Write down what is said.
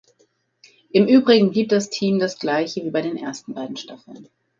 Im Übrigen blieb das Team das gleich wie bei den ersten beiden Staffeln.